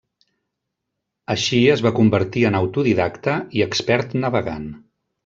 Així, es va convertir en autodidacte i expert navegant.